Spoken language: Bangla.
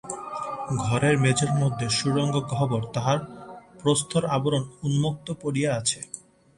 ঘরের মেঝের মধ্যে সুরঙ্গ-গহ্বর, তাহার প্রস্তর-আবরণ উন্মুক্ত পড়িয়া আছে।